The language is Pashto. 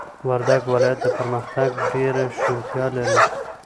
وردگ ولايت د پرمختگ ډېره شونتيا لري،